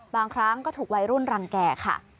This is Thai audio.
บางครั้งก็ถูกวัยรุ่นรังแก่ค่ะ